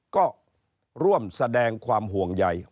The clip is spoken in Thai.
ก็ร่วมแสดงความห่วงใหญ่